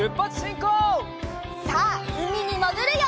さあうみにもぐるよ！